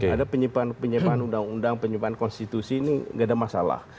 ada penyimpanan undang undang penyimpanan konstitusi ini tidak ada masalah